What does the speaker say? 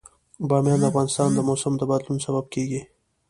بامیان د افغانستان د موسم د بدلون سبب کېږي.